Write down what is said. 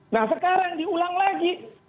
nah sekarang diulang lagi